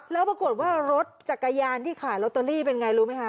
แล้วปรากฏว่ารถจักรยานที่ขายลอตเตอรี่เป็นไงรู้ไหมคะ